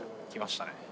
きましたね。